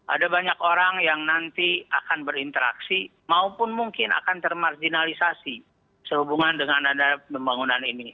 ada banyak orang yang nanti akan berinteraksi maupun mungkin akan termarginalisasi sehubungan dengan ada pembangunan ini